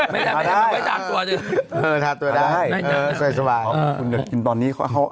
พี่บิดนิดเดียวเองนะ